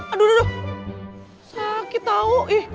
aduh aduh aduh sakit tau ih